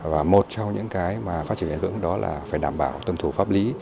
và một trong những cái mà phát triển bền vững đó là phải đảm bảo tuân thủ pháp lý